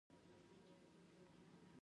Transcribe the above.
زما يو انډيوال وردګ دئ.